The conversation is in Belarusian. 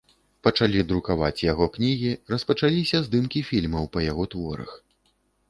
Пачалі друкаваць яго кнігі, распачаліся здымкі фільмаў па яго творах.